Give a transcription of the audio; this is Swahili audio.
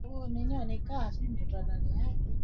Usipasue mzoga huo